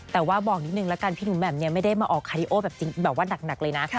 แต่ว่าบอกนิดนึงแล้วกันพี่หนุ่มแบบนี้ไม่ได้มาออกคาร์ดิโอแบบจริงแบบว่าหนักเลยนะ